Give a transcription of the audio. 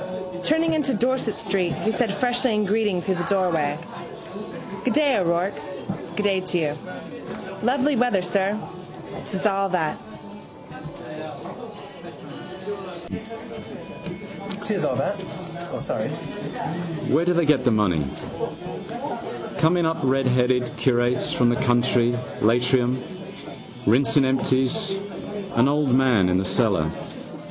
Turning into Dorset street he said freshly in greeting through the doorway: —Good day, Mr O'Rourke. —Good day to you. —Lovely weather, sir. —'Tis all that. Where do they get the money? Coming up redheaded curates from the county Leitrim, rinsing empties and old man in the cellar.